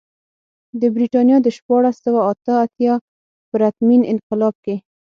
د برېټانیا د شپاړس سوه اته اتیا پرتمین انقلاب کې.